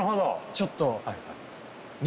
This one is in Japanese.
ちょっと。